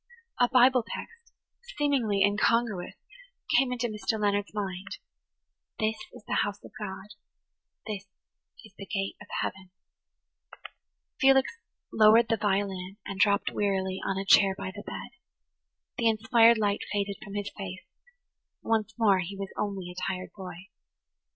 A Bible text, seemingly incongruous, came into Mr. Leonard's mind–"This is the house of God; this is the gate of heaven." Felix lowered the violin and dropped wearily on a chair by the bed. The inspired light faded from his face; once more he was only a tired boy.